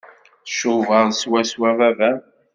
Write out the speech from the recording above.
Tcubaḍ swaswa baba-m.